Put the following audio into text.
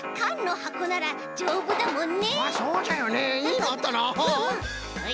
はい。